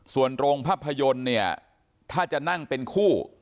ส่วนโรงภาพยนตร์เนี่ยถ้าจะนั่งเป็นคู่